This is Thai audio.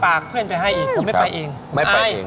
ก็ปากเพื่อนไปให้อีกคุณไม่ไปอีกคุณอายอาย